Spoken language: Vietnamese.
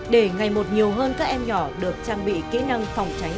để ngày một nhiều hơn các em nhỏ được trang bị kỹ năng phòng cháy